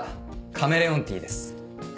カメレオンティー。